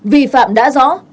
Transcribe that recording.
vì phạm đã rõ